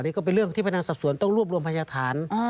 นี่ก็เป็นเรื่องที่พนักศัพท์สวนต้องรวบรวมพันธ์ยากฐาน